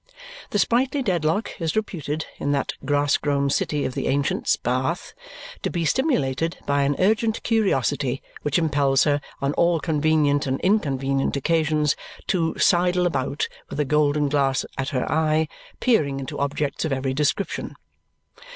The sprightly Dedlock is reputed, in that grass grown city of the ancients, Bath, to be stimulated by an urgent curiosity which impels her on all convenient and inconvenient occasions to sidle about with a golden glass at her eye, peering into objects of every description.